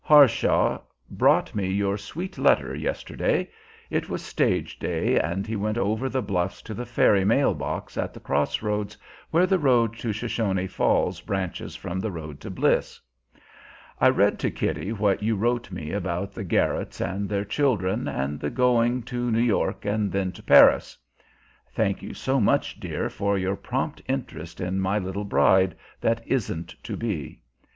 Harshaw brought me your sweet letter yesterday. It was stage day, and he went up over the bluffs to the ferry mail box at the cross roads, where the road to Shoshone Falls branches from the road to Bliss. I read to Kitty what you wrote me about the Garretts and their children, and the going to New York and then to Paris. (Thank you so much, dear, for your prompt interest in my little bride that isn't to be!)